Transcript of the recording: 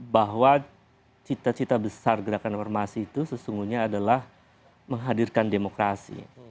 bahwa cita cita besar gerakan reformasi itu sesungguhnya adalah menghadirkan demokrasi